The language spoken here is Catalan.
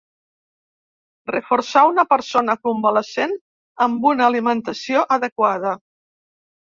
Reforçar una persona convalescent amb una alimentació adequada.